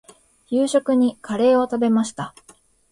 夕食にカレーを食べました。